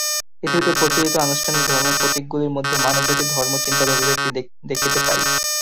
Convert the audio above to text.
পৃথিবীতে প্রচলিত আনুষ্ঠানিক ধর্মের প্রতীকগুলির মধ্যে মানবজাতির ধর্মচিন্তার অভিব্যক্তি দেখিতে পাই।